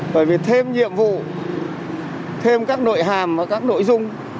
bởi vì thêm nhiệm vụ thêm các nội hàm và các nội dung